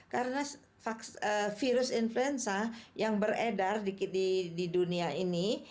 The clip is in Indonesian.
karena virus influenza yang beredar di dunia ini